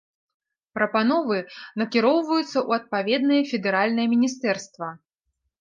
Прапановы накіроўваюцца ў адпаведнае федэральнае міністэрства.